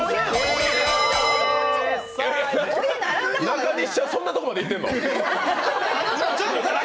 中西さん、そんなとこまで行ってんの！？